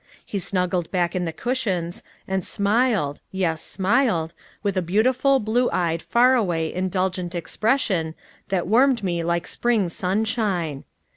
He snuggled back in the cushions, and smiled yes smiled with a beautiful, blue eyed, far away, indulgent expression that warmed me like spring sunshine.